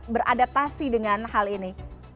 beradaptasi dengan hal ini